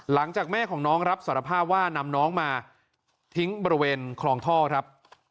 หลังจากแม่ของน้องรับสารภาพว่านำน้องมาทิ้งบริเวณคลองท่อครับ